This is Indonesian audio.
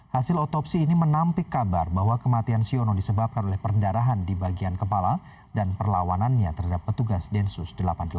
hasil otopsi ini menampik kabar bahwa kematian siono disebabkan oleh perdarahan di bagian kepala dan perlawanannya terhadap petugas densus delapan puluh delapan